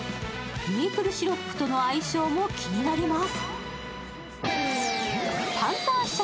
メープルシロップとの相性も気になります。